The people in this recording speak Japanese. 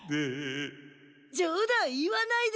じょう談言わないでよ。